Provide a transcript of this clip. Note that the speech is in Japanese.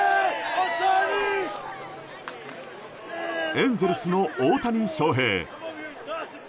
エンゼルスの大谷翔平。